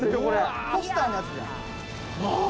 ポスターのやつじゃん！